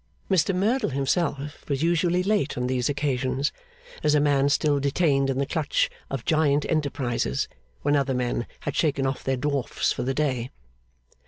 Mr Merdle himself was usually late on these occasions, as a man still detained in the clutch of giant enterprises when other men had shaken off their dwarfs for the day.